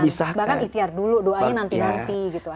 bahkan ihtiar dulu doanya nanti nanti